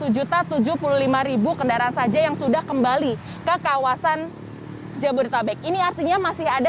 satu juta tujuh puluh lima kendaraan saja yang sudah kembali ke kawasan jabodetabek ini artinya masih ada